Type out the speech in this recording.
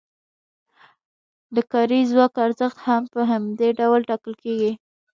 د کاري ځواک ارزښت هم په همدې ډول ټاکل کیږي.